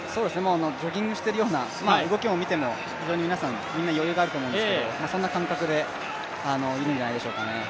ジョギングしているような、動きを見ても非常に皆さん余裕があると思うんですけど、そんな感覚でいるんじゃないでしょうかね。